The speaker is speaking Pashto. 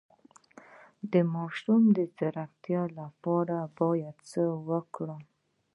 د ماشوم د ځیرکتیا لپاره باید څه وکړم؟